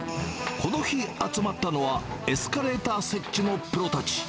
この日集まったのは、エスカレーター設置のプロたち。